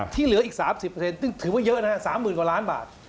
ที่เหลืออีก๓๐ซึ่งถือว่าเยอะนะครับ๓๐๐๐๐๐๐๐บาท